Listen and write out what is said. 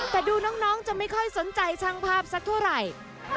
แต่ดูน้องจะไม่ค่อยสนใจช่างภาพสักเท่าไหร่